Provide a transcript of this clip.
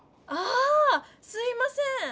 あすいません。